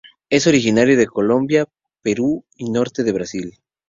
Es originario de Colombia, Perú y norte de Brasil.